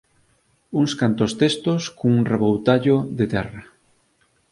Uns cantos testos cun reboutallo de terra